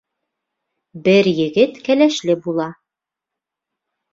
Бер егет кәләшле була.